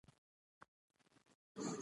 د ناول مرکزي لوبغاړي نايله، ډېوه، جمال خان،